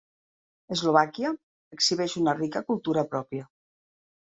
Eslovàquia exhibeix una rica cultura pròpia.